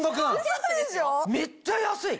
めっちゃ安い！